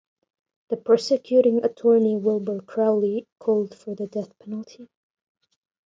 The prosecuting attorney, Wilbur Crowley, called for the death penalty.